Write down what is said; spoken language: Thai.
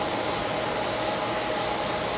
ต้องเติมเนี่ย